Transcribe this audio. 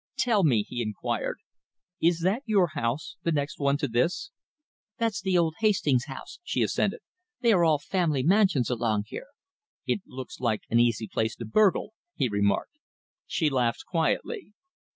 "Tell me," he inquired, "is that your house the next one to this?" "That's the old Hastings' house," she assented. "They are all family mansions along here." "It looks an easy place to burgle," he remarked. She laughed quietly.